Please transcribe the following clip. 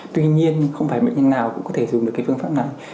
tuy nhiên không phải mệnh nhân nào cũng có thể dùng được phương pháp này